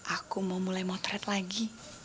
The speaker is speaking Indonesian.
aku mau mulai motret lagi